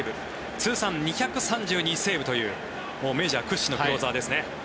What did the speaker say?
通算２３２セーブというメジャー屈指のクローザーですね。